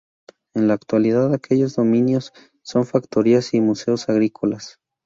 En la actualidad, aquellos dominios son factorías y museos agrícolas.